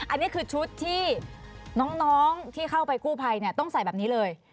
อันนี้คือชุดที่น้องที่เข้าไปกู้ภัยต้องใส่แบบนี้เลย